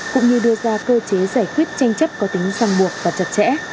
cũng như đưa ra cơ chế giải quyết tranh chấp có tính răng buộc và chật chẽ